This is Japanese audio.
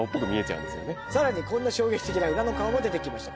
さらにこんな衝撃的な裏の顔も出てきました